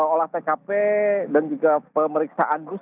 olah tkp dan juga pemeriksaan bus